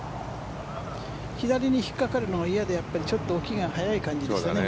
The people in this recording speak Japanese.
左に引っかかるのが嫌でちょっと起きが早い感じでした。